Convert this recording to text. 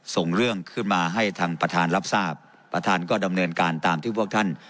ส่งเรื่องขึ้นมาให้ทางประธานรับทราบประธานก็ดำเนินการตามที่พวกท่าน